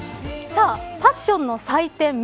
さあファッションの祭典